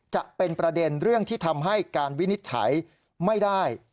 จะเป็นประเด็นเรื่องที่ทำให้การวินิจฉัยไม่ได้